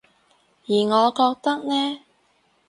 而我覺得呢